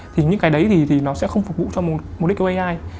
thì những cái đấy thì nó sẽ không phục vụ cho một đích cụ ai